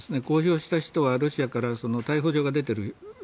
公表した人はロシアから逮捕状が出ている。